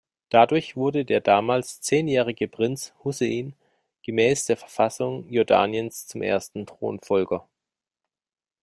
Dadurch wurde der damals zehnjährige Prinz Hussein gemäß der Verfassung Jordaniens zum ersten Thronfolger.